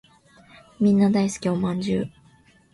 みんな大好きお饅頭